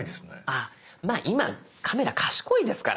ああまぁ今カメラ賢いですからね。